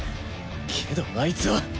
けどあいつは。